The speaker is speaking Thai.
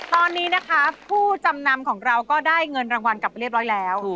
ตอนนี้นะคะผู้จำนำของเราก็ได้เงินรางวัลกลับไปเรียบร้อยแล้ว